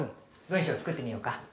文章作ってみようか。